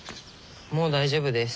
もう大丈夫です。